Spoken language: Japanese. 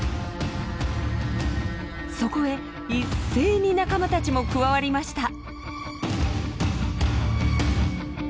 そこへ一斉に仲間たちも加わりました。